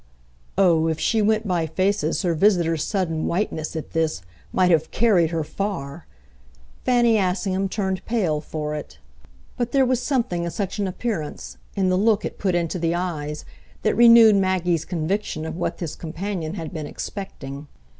Oh, if she went by faces her visitor's sudden whiteness, at this, might have carried her far! Fanny Assingham turned pale for it, but there was something in such an appearance, in the look it put into the eyes, that renewed Maggie's conviction of what this companion had been expecting.